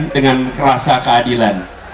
dengan rasa keadilan